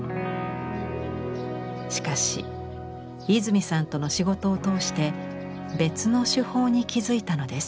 しかし和泉さんとの仕事を通して別の手法に気付いたのです。